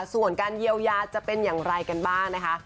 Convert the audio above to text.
ส่วนการเยียวยาจะเป็นอย่างไรกันบ้างนะคะ